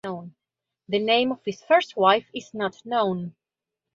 The name of his first wife is not known.